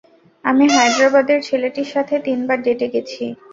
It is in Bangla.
আমি হায়দ্রাবাদের ছেলেটির সাথে তিনবার ডেটে গেছি।